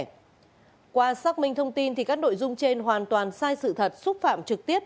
theo mình thông tin các nội dung trên hoàn toàn sai sự thật xúc phạm trực tiếp